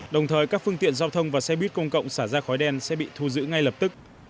đồng thời các phương tiện giao thông và xe buýt công cộng xả ra khói đen sẽ bị thu giữ ngay lập tức